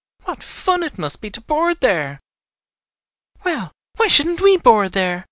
"What fun it must be to board there!" "Well, why shouldn't we board there!"